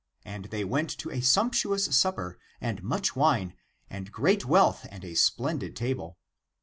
And they w^ent to a sumptuous supper, and much wine, and great wealth and a splendid table.